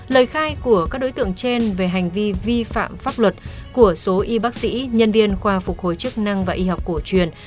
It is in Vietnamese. lời khai của các đối tượng trên về hành vi vi phạm pháp luật của số y bác sĩ nhân viên khoa phục hồi chức năng và y học cổ truyền